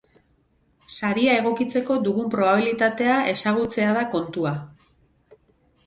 Saria egokitzeko dugun probabilitatea ezagutzea da kontua.